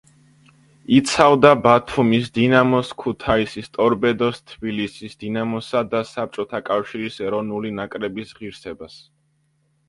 იცავდა ბათუმის „დინამოს“, ქუთაისის „ტორპედოს“, თბილისის „დინამოსა“ და საბჭოთა კავშირის ეროვნული ნაკრების ღირსებას.